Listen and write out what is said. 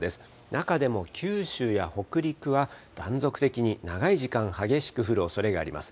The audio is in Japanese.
中でも九州や北陸は断続的に長い時間、激しく降るおそれがあります。